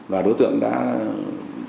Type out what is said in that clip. và đối tượng đã bỏ nơi ở